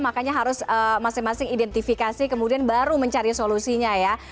makanya harus masing masing identifikasi kemudian baru mencari solusinya ya